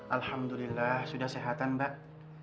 alhamdulillah sudah kesehatan mbak